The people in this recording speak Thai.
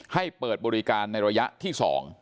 ให้เปิดบริการในระยะที่๒